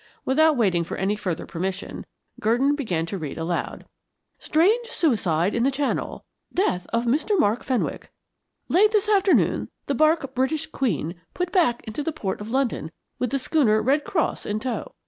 Without waiting for any further permission, Gurdon began to read aloud: "STRANGE SUICIDE IN THE CHANNEL. "DEATH OF MR. MARK FENWICK. "Late this afternoon the barque British Queen put back into the Port of London with the schooner Red Cross in tow.